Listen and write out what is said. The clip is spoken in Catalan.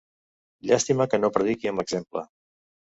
Llàstima que no prediqui amb l'exemple.